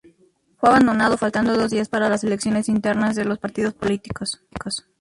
Fue abandonado faltando dos días para las elecciones internas de los partidos políticos.